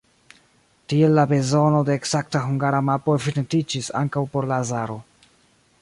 Tiel la bezono de ekzakta Hungara mapo evidentiĝis ankaŭ por Lazaro.